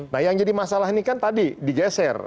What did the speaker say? nah yang jadi masalah ini kan tadi di geser